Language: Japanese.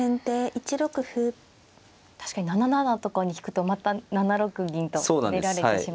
確かに７七とかに引くとまた７六銀と出られてしまう。